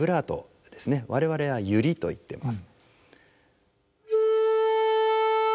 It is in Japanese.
我々はユリといってます。